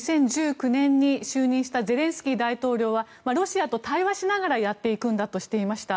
２０１９年に就任したゼレンスキー大統領はロシアと対話しながらやっていくんだとしていました。